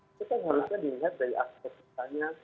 itu kan harusnya dilihat dari aspek misalnya